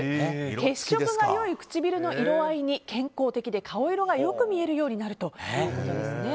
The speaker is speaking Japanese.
血色が良い唇の色合いに健康的に顔色が良くなるように見えるということです。